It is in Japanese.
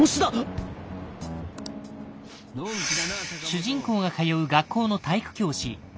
主人公が通う学校の体育教師鴨志田。